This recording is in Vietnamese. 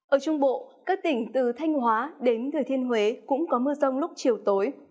ở trung bộ các tỉnh từ thanh hóa đến thừa thiên huế cũng có mưa rông lúc chiều tối